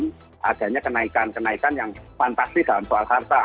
misalnya kenaikan kenaikan yang fantastis dalam soal harta